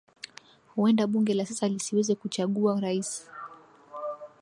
Huenda bunge la sasa lisiweze kuchaguwa rais